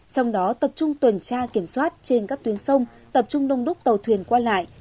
trong đó tập trung tuần tra kiểm soát trên các tuyến sông tập trung đông đúc tàu thuyền qua lại